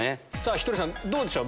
ひとりさんどうでしょう？